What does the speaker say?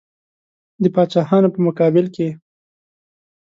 د پاچاهانو په مقابل کې.